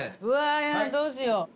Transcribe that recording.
うわーどうしよう。